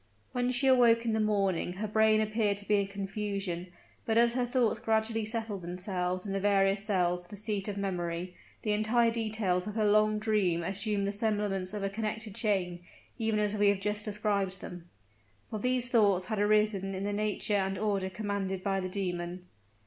When she awoke in the morning her brain appeared to be in confusion, but as her thoughts gradually settled themselves in the various cells of the seat of memory, the entire details of her long dream assumed the semblance of a connected chain, even as we have just described them. For these thoughts had arisen in the nature and order commanded by the demon.